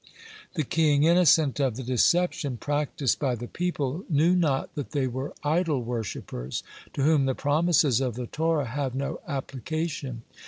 The king, innocent of the deception practiced by the people, knew not that they were idol worshippers, to whom the promises of the Torah have no application.